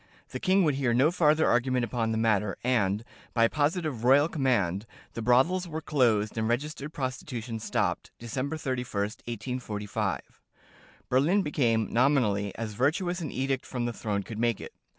The king would hear no farther argument upon the matter; and, by positive "royal command," the brothels were closed and registered prostitution stopped, December 31, 1845. Berlin became (nominally) as virtuous as an edict from the throne could make it.